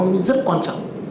nó rất quan trọng